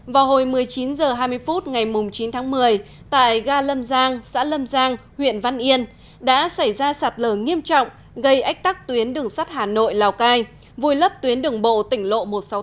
vào hồi một mươi chín h hai mươi phút ngày chín tháng một mươi tại ga lâm giang xã lâm giang huyện văn yên đã xảy ra sạt lở nghiêm trọng gây ách tắc tuyến đường sắt hà nội lào cai vùi lấp tuyến đường bộ tỉnh lộ một trăm sáu mươi